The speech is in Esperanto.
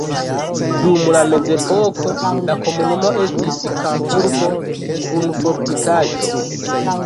Dum la mezepoko la komunumo estis kampurbo kun fortikaĵo.